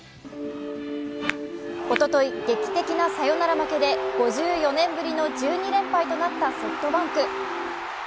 おととい、劇的なサヨナラ負けで５４年ぶりの１２連敗となったソフトバンク。